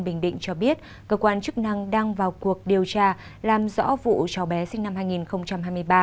bình định cho biết cơ quan chức năng đang vào cuộc điều tra làm rõ vụ cho bé sinh năm hai nghìn hai mươi ba